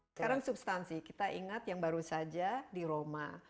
sekarang substansi kita ingat yang baru saja di roma